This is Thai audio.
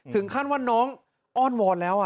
ถึงขั้นว่าน้องอ้อนวอนแล้ว